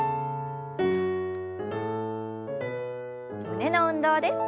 胸の運動です。